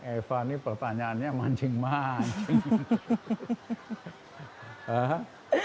eva ini pertanyaannya mancing mancing